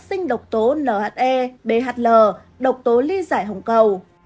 sinh độc tố nhe bhl độc tố ly giải hồng cầu